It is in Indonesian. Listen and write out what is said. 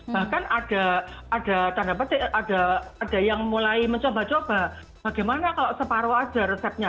bahkan ada tanda petik ada yang mulai mencoba coba bagaimana kalau separuh aja resepnya